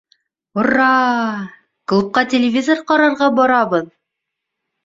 — Ур-ра-а, клубҡа телевизор ҡарарға барабыҙ